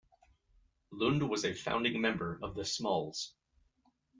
Lund was a founding member of the smalls.